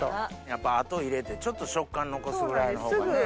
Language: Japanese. やっぱ後入れてちょっと食感残すぐらいのほうがね。